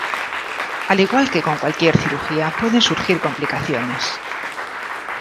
Al igual que con cualquier cirugía, pueden surgir complicaciones.